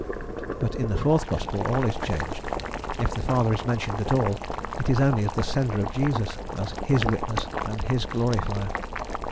But in the fourth gospel all is changed: if the Father is mentioned at all, it is only as the sender of Jesus, as his Witness and his Glorifier.